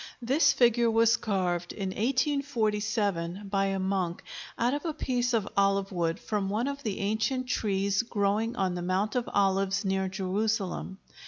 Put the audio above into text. This figure was carved, in 1847, by a monk, out of a piece of olive wood from one of the ancient trees growing on the Mount of Olives near Jerusalem.